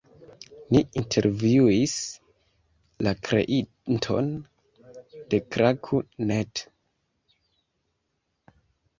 Ni intervjuis la kreinton de Klaku.net.